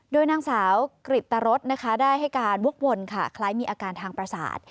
โดยนางสาวกริตตรสได้ให้การวกวนค่ะคล้ายมีอาการทางประสาท